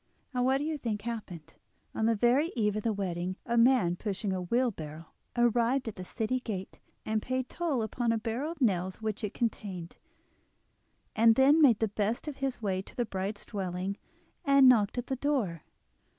And what do you think happened? On the very eve of the wedding a man pushing a wheelbarrow arrived at the city gate, and paid toll upon a barrel of nails which it contained, and then made the best of his way to the bride's dwelling and knocked at the door.